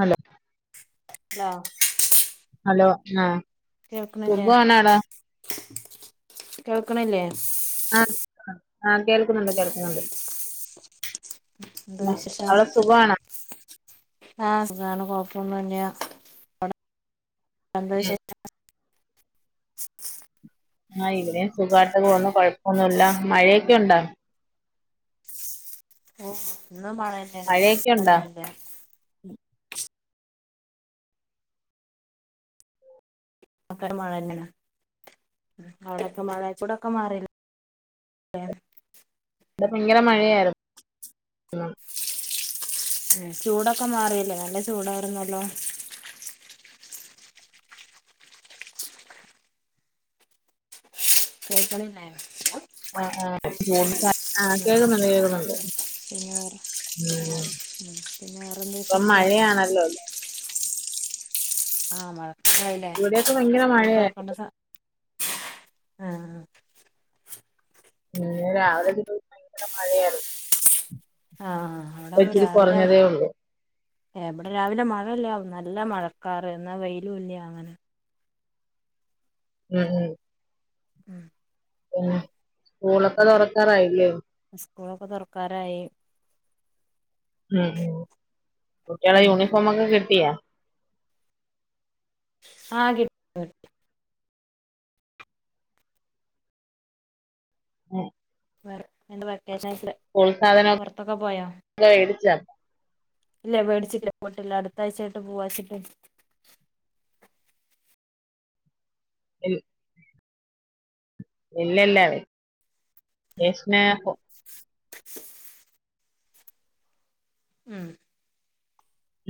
Hello hello hello ആഹ് കേൾക്കണില്ലേ സുഖാണാടാ കേൾക്കണില്ലേ ആ ആ കേൾക്കുന്നുണ്ട് കേൾക്കുന്നുണ്ട് എന്താ അവ്ടെ സുഖവാണാ ആ സുഖാണ് കൊഴപ്പൊന്നൂല്ല്യ അ എന്താ വിശേഷം ആ ഇവിടെം സുഖാട്ട് പോന്നു കൊഴപ്പൊന്നുല്ല മഴയൊക്കെണ്ടാ ഓ ഒന്നും പറല്ലേ മഴയൊക്കെ ഉണ്ടോ ഒന്നുല്ല ഉം അക്കെട് മഴവെരുന്ന്ണ് അവിടൊക്കെ മഴ ഇവ്ടൊക്ക മഴില്ല ഏ ഇടെ ഭയങ്കര മഴയാര്ന്ന് ഉം ഉം ചൂടൊക്കെ മാറീലെ നല്ല ചൂടായിരുന്നല്ലോ കേക്കണില്ലേ ആ ആ കൂടുത ആ ഉം കേക്കുന്നുണ്ട് കേക്കുന്നുണ്ട് പിന്നെ ഉം ശെ ഇപ്പം മഴയാണല്ലോ ആഹ് മഴക്കാലായില്ലേ ഇവിടെയൊക്കെ ഭയങ്കര സ്കൂൾ മഴയായിരുന്നു തൊറക്കണ്ട സ ആഹ് പിന്നെ രാവിലെ എനീറ്റപ്പോ ഭയങ്കര മഴയാര്ന്നു ആഹ് അവിടെ രാവിലെ കുറഞ്ഞതേ ഉള്ളൂ എബടെ രാവിലെ മഴല്ല്യ നല്ല മഴക്കാറ് എന്നാ വെയ്ലു ഇല്ല്യ അങ്ങനെ ഉം ഉം ഉം സ്കൂളൊക്കെ തൊറക്കാറായില്ലെയോ സ്കൂളൊക്കെ തൊറക്കാറായി ഉം ഉം കുട്ട്യോള ഉം യൂണിഫോമൊക്ക കിട്ടിയ. ആ കി [unintelligible] [unintelligible] സ്കൂൾ പുറത്തൊക്കെ പോയോ സാധനൊക്കെ വേടിച്ച ഇല്ല വേടിച്ചില്ല പോയിട്ടില്ല അടുത്താഴ്ചായിട്ട് പോവാച്ചിട്ട് ഉ [unintelligible] ഇല്ലല്ല വെക്കേഷന് [unintelligible] ഉം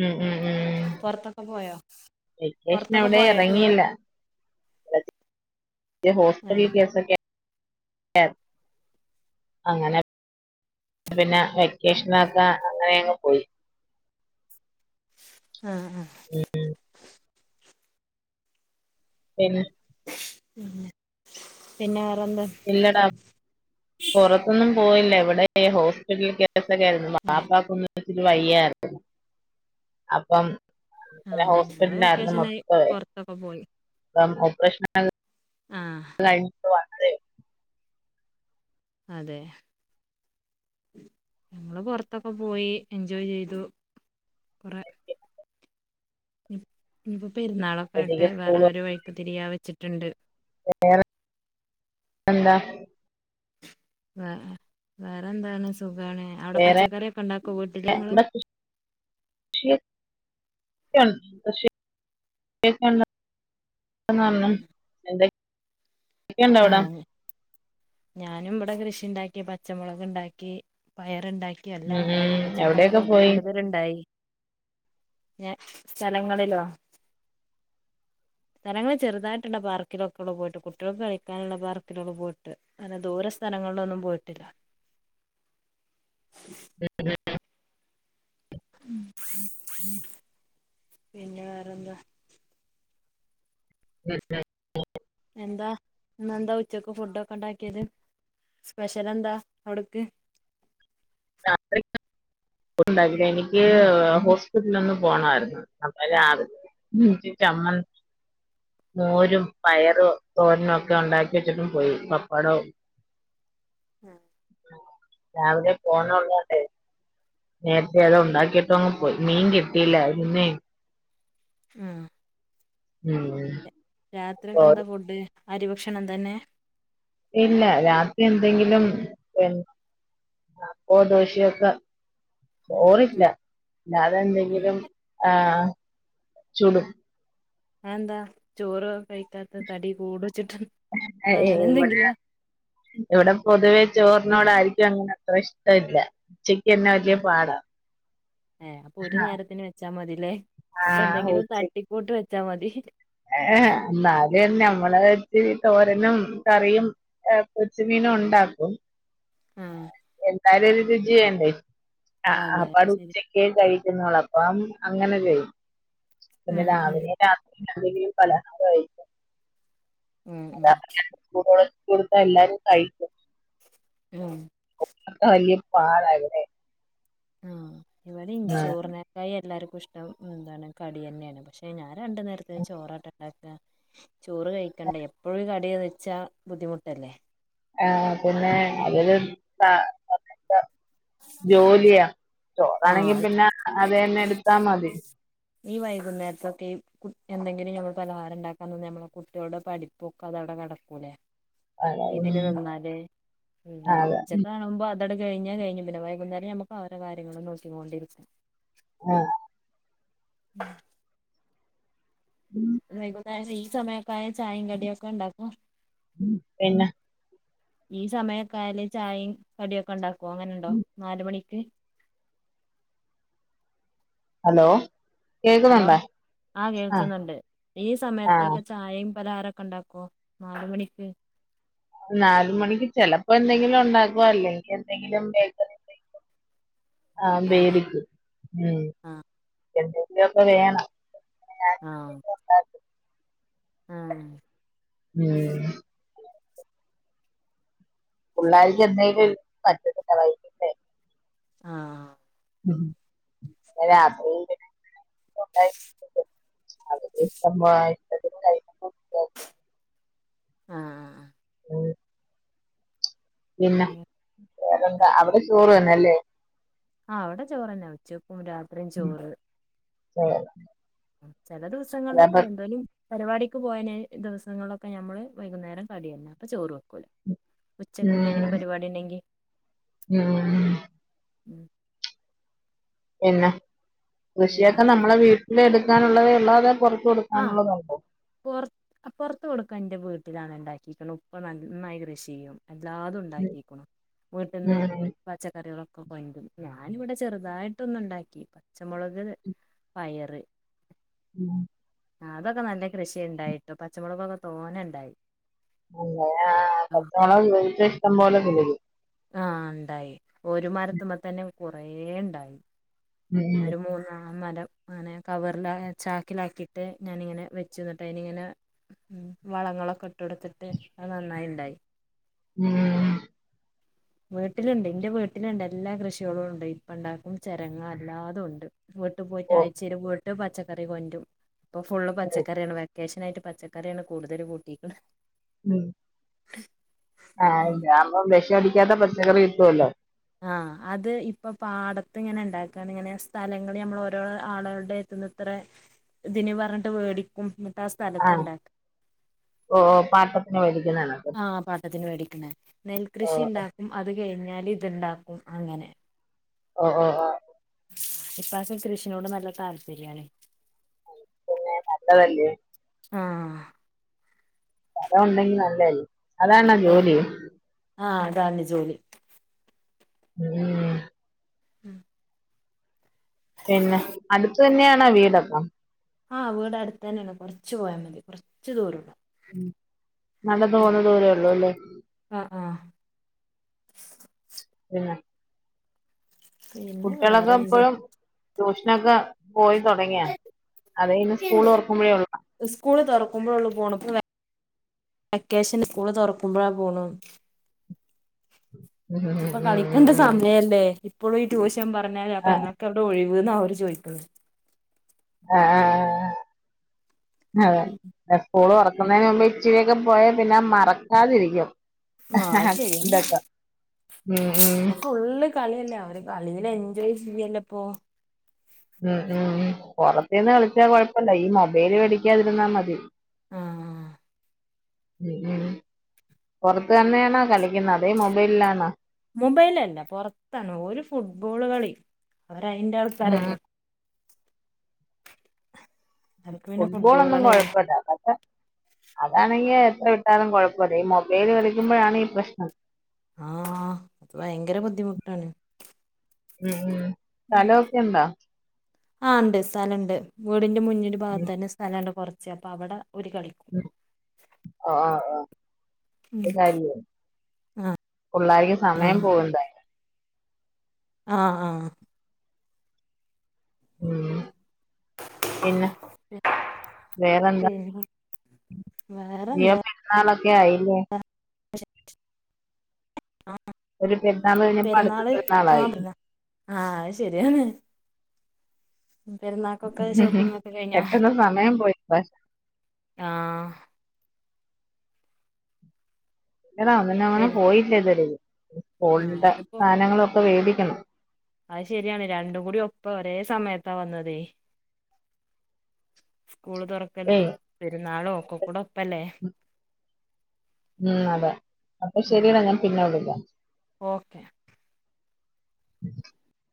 ഉം ഉം ഉം പുറത്തൊക്കെ പോയോ വെക്കേഷൻ പുറത്തൊക്കെ എവിടെ പോയോ ടൂറ് ഇറങ്ങില്ല ഹോസ്റ്റല് ആഹ് കേസൊക്കെ അങ്ങനെ പിന്നെ വെക്കേഷനാക്കാ അങ്ങനെയങ്ങ് പോയി ആഹ് ആ എങ്ങനെ ഉം പിന്നെ വേറെന്താ ഇല്ലടാ പുറത്തൊന്നും പോയില്ല എവിടെ ഹോസ്പിറ്റല് ക്കെ ആരുന്നു ആഹ് വാപ്പക്കും മ്മച്ചികും വയ്യരുന്നു അപ്പം ആഹ് ഞങ്ങള് ഹോസ്പിറ്റല് ആന്ന് വെക്കേഷനായി പുറത്തൊക്കെ പോയി മൊത്തം ഓപ്പറേഷൻ ആഹ് ജായിട്ട് വന്നതേ ഒള്ളൂ അതെ ഞങ്ങള് പുറത്തൊക്കെ പോയി എൻജോയ് ചെയ്തു കൊറേ ഇപ്പൊ പെരുന്നാളൊക്കെ ആയിട്ട് അപ്പോഴത്തേക്ക് സ്കൂൾ വേറെ ഒരു വൈക്ക് തിരിയാ വെച്ചിട്ടുണ്ട് വേറെ എന്താ വ വേറെന്താണ് സുഖാണ് അവിടെ വേറെ പച്ചക്കറിയൊക്കെ ഇണ്ടാക്കോ വീട്ടില് നിങ്ങള് ഇവിടെ എന്തായി [unintelligible] ഇക്കണ്ടവിടാ ആഹ് ഞാനും ഇവിടെ കൃഷി ഉണ്ടാക്കി പച്ചമുളക്ണ്ടാക്കി പയറുണ്ടാക്കി ഉം എല്ലാം ഉണ്ടായി ഉം എവിടെയൊക്കെ പച്ചമുളകൊക്കെ പോയി കൂടുതലുണ്ടായി ഞ സ്ഥലങ്ങളിലോ സ്ഥലങ്ങള് ചെറുതായിട്ടുണ്ട് പാർക്കൊക്കെ ഉള്ള പോയിട്ട് കുട്ടികളൊക്കെ കളിക്ക ക്കാനുള്ള പാർക്കില പോയിട്ട് അങ്ങനെ ദൂര സ്ഥലങ്ങളിലൊന്നും പോയിട്ടില്ല അ പിന്നെ വേറെന്താ ഉം ഉം എന്താ ഇന്നെന്താ ഉച്ചക്ക് ഫുഡ് ഒക്കെ ഉണ്ടാക്കിയത് സ്പെഷ്യൽ എന്താ അവിടുക്ക് രാത്രി ണ്ടായില്ല എനിക്ക് ഹോസ്പിറ്റലൊന്ന് പോണമായിരുന്നു അന്നേരം ഉം ചമ്മന്തി മോരും പയറും തോരനുംക്കെ ഉണ്ടാക്കി വെച്ചിട്ടും പോയി പപ്പടവും രാവിലെ പോണള്ളല്ലെ നേരത്തെ അത് ഉണ്ടാക്കിട്ടോ അങ്ങ് പോയി മീൻ കിട്ടിയില്ല നിന്നെ ആഹ് ഉം രാത്രിയൊക്കെ ചോറ് എന്താ ഫുഡ് അരിഭക്ഷണം തന്നെ ഇല്ല രാത്രി എന്തെങ്കിലും അപ്പ ദോശയൊക്കെ ചോറില്ല ഉം ഉം അതെന്തെങ്കിലും ആ ചുടും അതെന്ത ചോര് കഴി പറ്റാത്ത തടി കൂട് വച്ചിട്ടാ അങ്ങനെ ഇവിടെ എന്തെങ്കിലാ ചോറിനോടാആർക്കും അങ്ങനെ അത്ര ഇഷ്ടല്ല ഉച്ചക്ക് എന്നെ ആ വലിയ പാടാ ഏ അപ്പൊ ഒരു നേരത്തിന് വെച്ചാ മതില്ലേ ആ അപ്പൊ എന്തെങ്കിലും തട്ടിക്കൂട്ട് വെച്ചാ മതി ഏ എന്നാലന്ന നമ്മളെ കാര്യത്തിന് തോരനും കറിയും എ പച്ച മീനുംണ്ടാക്കും ആ ന്തായായാലോരു രുചിവേണ്ടേ ആ അതെ അത് അപ്പാടെ ശരി ഉച്ചക്ക് കഴിക്കുന്നുള്ള അപ്പം അങ്ങനെ ചെയ്യും പിന്നെ ഉം രാവിലേം രാത്രി [unintelligible] ഉം [unintelligible] ആ പാടല്ലെ ആ ഇവിടേം ചോറിനക്കായി എല്ലാർ ഇഷ്ടം എന്താണ് കടി യെന്നെയാണ് പക്ഷെ ഞാൻ രണ്ടു നേരത്തിനും ചോറാട്ടോ ണ്ടാക്കാ ചോറ് കഴിക്കണ്ടേ എപ്പോഴും കടിയ വെച്ചാ ബുദ്ധിമുട്ടല്ലേ ആ പിന്നെ അതില് ജോലിയാ ചോറാണെങ്കി ആഹ് പിന്നെ അത് ന്നെ എടുത്താ മതി ഈ വൈകുന്നേർത്തൊക്കെ കു എന്തെങ്കിലും ഞമ്മൾ പലഹാരം ണ്ടാക്കാൻ നിന്നാ നമ്മളെ കുട്ടികളുടെ പഠി പ്പൊക്കെ അതട നടക്കൂലെ അതെ ഇതിന് പിന്നെ നിന്നാല് അതെ ഉച്ച കാണുമ്പ ട്ടട് കഴിഞ്ഞാ കഴിഞ്ഞു പിന്നെ വൈകുന്നേരം നമുക്ക് അവര കാര്യങ്ങളും നോക്കിക്കൊണ്ടിരിക്കും ആ [inaudible] വൈകുന്നേരം ഈ സമയ [unintelligible] ചായിം കടിം ഒക്കെ ഇണ്ടാക്കും പിന്നെ ഈ സമയക്കായാല് ചായയും കടിയൊക്കെ ണ്ടാക്കോ അങ്ങനെ ണ്ടോ നാല് മണി [unintelligible] ഹലോ ഹലോ കേക്കുന്നുണ്ടോ ആ കേൾക്കുന്നുണ്ട് ഈ ആ സമയത്തൊക്കെ ചായയും പലഹാരൊക്കെ ണ്ടാക്കോ നാല് മണിക്ക് നാല് മണിക്ക് ചെലപ്പോ എന്തെങ്കിലും ണ്ടാക്കും അല്ലെങ്കി എന്തെങ്കിലും ബേക്കറി [unintelligible] [inaudible] ആ [unintelligible] ഉ ആ എന്തെങ്കിലോ ക്കെ വേണം ഞാൻ ആ എന്തെങ്കിലും ഉണ്ടാക്കും. ആ ഉം [unintelligible] ആ [unintelligible] [unintelligible] ആ ഉം പിന്നെ വേറെന്താ അവിടെ ചോറ് തന്നെല്ലേ ആ ഇവെടെ ചോറെന്നെ ഉച്ചക്കും രാത്രിയും ചോറ് ആ ചേല ദിവസങ്ങളിലൊക്കെ എന്തേലും പരിപാടിക്ക് പോയന് ദിവസങ്ങളിലൊക്കെ ഞമ്മള് വൈകുന്നേരം കടിയല്ല അപ്പൊ ചോറ് വെക്കൂല ഉച്ചക്ക് എന്തെങ്കിലും പരിപാടി ണ്ടെങ്കി ആ ഉം പിന്നെ കൃഷിയൊക്കെ പിന്നെ നമ്മളെ വീട്ടില് എടുക്കാനുള്ളതെ ഒള്ളോ അതോ ആ കൊടുക്കാനുള്ളതുണ്ടോ പോറ് പോറ്ത്ത് കൊടുക്ക ന്റെ വീട്ടിലാണ് ണ്ടാക്കിക്ക്‌ണ് ഉപ്പ നന്നായി കൃഷിയ്യും എല്ലാതും ണ്ടാക്കിക്കുണു വീട്ടിന്ന് ഉം പച്ചക്കറികളും [unintelligible] ഞാന് വിടെ ചെറ്തായിട്ടൊന് ണ്ടാക്കി പച്ചമുളക് പയറ് ഉം ആ അതൊക്കെ നല്ല കൃഷി ഇണ്ടായിട്ടും പച്ചമുളകൊക്കെ തോനെ ണ്ടായി. [unintelligible] പച്ചമുളക് വീട്ട് ല് ഇഷ്ടം പോലെ [unintelligible] ആഹ ഇണ്ടായി ഒരുമരത്തുമ്മ തന്നെ കുറേ ഇണ്ടായി. ഉം ഒരു മൂന്നാ ആ മരം അങ്ങനെ കവറില ചാക്കിലാക്കിയിട്ട് ഞാനിങ്ങനെ വെച്ചുന്നിട്ട് അയിലിങ്ങനെ. ഉ വളങ്ങളൊക്കെ ഇട്ട് കൊടുത്തിട്ട് അത് നന്നായി ഇണ്ടായി. ഉം വീട്ടിലുണ്ട് ഇന്റെ വീട്ടിലുണ്ട് എല്ലാ കൃഷികളും ഉണ്ട് ഇപ്പ ഉണ്ടാക്കും െചരങ്ങ എല്ലാതുണ്ട്. വീട്ട് പോയിട്ട് ഓ ആഴ്ച്ചയില് വീട്ട് പച്ചക്കറി കൊണ്ടും ഇപ്പൊ ഫുള് ഉം പച്ചക്കറിയാണ് വെ വെക്കേശനായിട്ട് പച്ചക്കറിയാണ് കൂടുതൽ കൂട്ടിക്ക്ണ്. ഉം ആഹ്പം അതാവുമ്പൊ വിഷടിക്കാത്ത പച്ചക്കറി കിട്ടുവല്ലോ? ആഹ അത് ഇപ്പൊ പാടത്ത്ങ്ങനെ ഇണ്ടാക്കാണ് ഇങ്ങനെ സ്ഥലങ്ങള്ൾ നമ്മൾ ഓരോരോ ആളുകളുടെ എടുത്ത് ഇത്രഇതിന് പറഞ്ഞിട്ട് മേടിക്കും. ആഹ ഓ പാട്ടത്തിന്വേടിക്ക. ആഹ പാട്ടത്തിന് മേടിക്കണ ഓ നെൽകൃഷി ഇണ്ടാക്കും അത് കഴിഞ്ഞാൽ. ഇതുണ്ടാക്കും അങ്ങനെ. ഓ ഓ ആ ഇപ്പാക്ക് കൃഷിനോട് നല്ല താല്പര്യാണ്. നല്ലതല്ലേ? ആഹ സ്ഥലം ഒണ്ടെങ്കി നല്ലതല്ലേ അതാണോജോലി? ആഹ അതാണ് ജോലി. ഉം ഉം പിന്നെ അടുത്ത് തന്നെയാണോ വീടൊക്കം. ആഹ് വീട് അടുത്ത് തന്നെയാണ് കുറച്ചു പോയാ മതി കുറച്ചു ദൂര ഒള്ളു. നടന്നു പോവാൻ ഉള്ള ദൂരള്ളുല്ലേ? ആഹ് ആഹ് പിന്നെ കുട്ടികളൊക്കെ വേറെന്ത് എപ്പോഴും ട്യൂഷനൊക്കെ പോയി തുടങ്ങിയ അതാഇന്ന് സ്കൂൾ ഓർക്കുമ്പോഴേ ഒള്ള. വെക്കേഷന് സ്കൂള് തുറക്കുമ്പോഴാ പോണു. ഇപ്പൊ കളിക്കണ്ട സമയല്ലേ? ഇപ്പോളും ഈ ട്യൂഷൻ പറഞ്ഞല് അപ്പൊ ആഹ് ഞങ്ങക്കെ വിടാ ഒഴിവിന്ന അവര് ചോദിക്കുന്നത്. ആ അതെ എപ്പോളും [inaudible] വക്കുന്നതിന് മുമ്പ് ഇച്ചിരിയൊക്കെ പോയ പിന്നെ മറക്കാതിരിക്കും. ആഹ അത് ശരി യാണ് ഇതൊക്കെ ഉം ഇപ്പോ ഉം ഫുള്ള് കളിയല്ലേ അവര് കളിൽ എൻ ജോയ് ചെയ്യല്ലപ്പോ. ഉം ഉം ഉ പുറത്തിരുന്ന് കളിച്ചാ കൊഴപ്പല്ല ഈ മൊബൈല് കളിക്കാതിരുന്നാ മതി. ആഹ ആഹ ഉ ഉ പൊറത്ത് തന്നെയണോ കളിക്കുന്നത് അതേ മൊബൈലിലാണോ? മൊബൈലല്ല പൊറത്താണ് ഓല് ഫുട്ബോള് കളി അവര് അയിന്റെ ഉം ആൾക്കാരല്ലോ. അവർക്ക് പിന്നെ ഫുട്ബോൾ ഒന്നും കളിയല്ലേ കൊഴപ്പില്ലാ പക്ഷെ അതാണെങ്കി എത്ര വിട്ടാലും കുഴപ്പല്ല ഈ മൊബൈല് കളിക്കുമ്പോഴാണ് ഈ പ്രശ്നം. ആഹ അത് ഭയങ്കര ബുദ്ധിമുട്ടാണ്. ഉം സ്ഥലൊക്കെ ഇണ്ടാ? ആണ്ട് സ്ഥലണ്ട് വീടിന്റെ മുന്നിൽ ഭാഗത്തന്നെ സ്ഥലണ്ട് കുറച്ച് അപ്പൊ അവിടെ ആ ആ ആ ഉം [unintelligible] ആഹ് പുള്ളേർക്ക് സമയം പോകണ്ടേ? ആഹ ആഹ ഉം പിന്നെ [unintelligible] വേറെന്താ പിന്നെ നീ വേറെന്താ പെരുന്നാളൊക്കെ ആയില്ലേ ആഹ് ഒരു പെരുന്നാൾ കഴിഞ്ഞപ്പോ അടുത്ത പെരുന്നാള് ആ പെരുന്നാളായി പെരുന്നാ ആഹ് ശരിയാണ് പെരുന്നാക്കൊക്കെ ഷോപ്പിംഗ് ഒക്കെ കഴിഞ്ഞോ പെട്ടെന്ന് സമയം പോയി പക്ഷെ ആഹ് [unintelligible] അങ്ങനെ പെരു പോയില്ല ഇതുവരേയും ആഹ് സ്കൂളിന്റെ ഇതിപ്പോ സാധനങ്ങളൊക്കെ മേടിക്കണം അത് ശെരിയാണ് രണ്ടും കൂടി ഒപ്പം ഒരേ സമയത്താ വന്നത് [inaudible] സ്കൂൾ തുറക്കലും ഏയ് പെരുന്നാളും ഒക്കെ കൂടെ ഒപ്പല്ലേ ഉം അതെ അപ്പൊ ഉം ശരിടാ ഞാൻ പിന്നെ വിളിക്കാം ഓക്കെ [unintelligible]